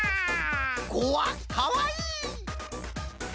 こわっかわいい！